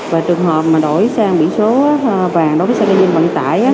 và trường hợp mà đổi sang biển số vàng đối với xe kinh doanh vận tải